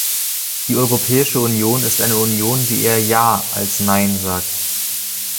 Die Europäische Union ist eine Union, die eher "Ja" als "Nein" sagt.